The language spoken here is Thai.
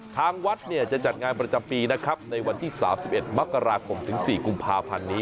ทางวัดจะจัดงานประจำปีนะครับในวันที่๓๑มกราคมถึง๔กุมภาพันธ์นี้